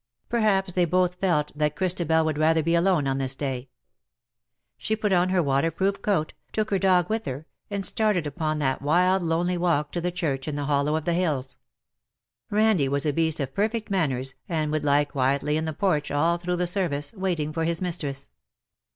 Perhaps they both felt that Christabel would rather be alone on this day. She put on her waterproof coat, took her dog with her, and started upon that wild lonely walk to the church in the hollow of the hills. Randie was a beast of perfect manners, and would lie quietly in the porch all through the service, waiting for his mistress.